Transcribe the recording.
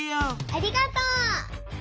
ありがとう！